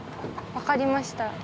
分かりました。